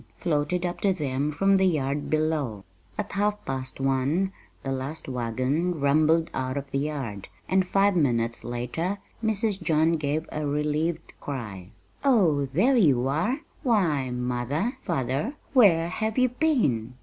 floated up to them from the yard below. At half past one the last wagon rumbled out of the yard, and five minutes later Mrs. John gave a relieved cry. "Oh, there you are! Why, mother, father, where have you been?"